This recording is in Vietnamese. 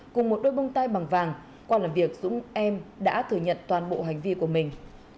cùng một đôi bông tai bằng vàng qua làm việc dũng em đã thừa nhận toàn bộ hành vi của mình